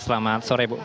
selamat sore bu